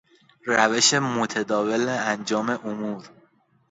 روش متداول انجام امور